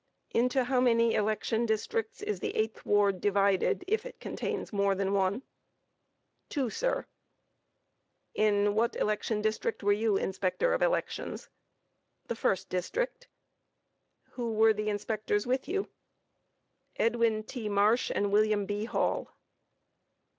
Q. Into how many election districts is the 8th ward divided, if it contains more than one? A. Two, sir. Q. In what election district were you inspector of elections? A. The first district. Q. Who were inspectors with you? A. Edwin T. Marsh and William B. Hall.